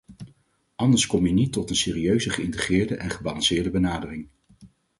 Anders kom je niet tot een serieuze geïntegreerde en gebalanceerde benadering.